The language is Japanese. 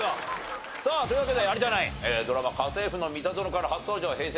さあというわけで有田ナインドラマ『家政夫のミタゾノ』から初登場Ｈｅｙ！